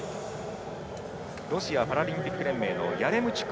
ロシアパラリンピック連盟のヤレムチュク。